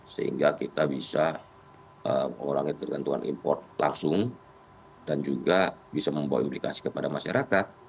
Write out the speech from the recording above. sehingga kita bisa mengurangi ketergantungan import langsung dan juga bisa membawa implikasi kepada masyarakat